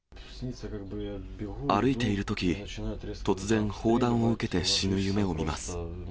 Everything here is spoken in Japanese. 歩いているとき、突然、砲弾を受けて死ぬ夢を見ます。